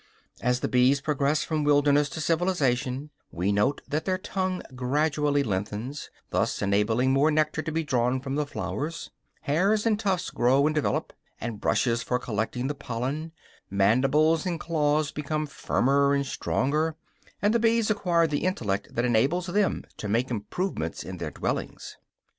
As the bees progress from wildness to civilization, we note that their tongue gradually lengthens, thus enabling more nectar to be drawn from the flowers; hairs and tufts grow and develop, and brushes for collecting the pollen; mandibles and claws become firmer and stronger and the bees acquire the intellect that enables them to make improvements in their dwellings.